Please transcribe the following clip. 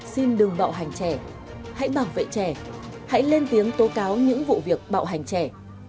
xin đừng bạo hành trẻ hãy bảo vệ trẻ hãy lên tiếng tố cáo những vụ việc bạo hành trẻ